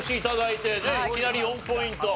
いきなり４ポイント。